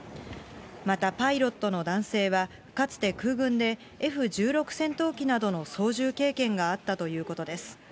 また、パイロットの男性はかつて空軍でＦ１６戦闘機などの操縦経験があったということです。